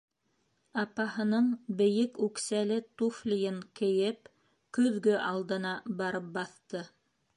Апаһының бейек үксәле туфлийын кейеп, көҙгө алдына барып баҫты.